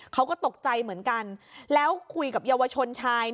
เขาก็ตกใจเหมือนกันแล้วคุยกับเยาวชนชาย